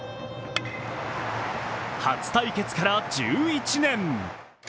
初対決から１１年。